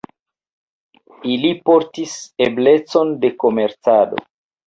Ili portis eblecon de komercado.